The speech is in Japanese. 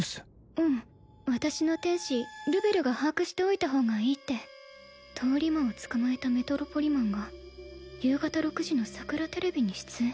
うん私の天使ルベルが把握しておいた方がいいって通り魔を捕まえたメトロポリマンが夕方６時のさくらＴＶに出演